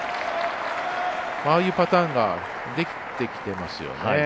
ああいうパターンができてきてますよね。